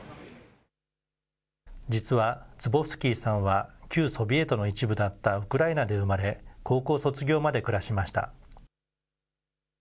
実はズボフスキーさんは、旧ソビエトの一部だったウクライナで生まれ、高校卒業まで暮らしました。